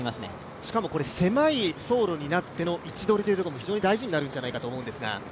しかも狭い走路になっての位置取りも非常に大事になってくると思うのですが？